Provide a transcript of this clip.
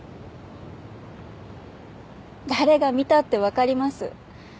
誰が見たってわかります。